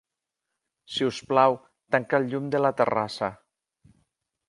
Si us plau, tanca el llum de la terrassa.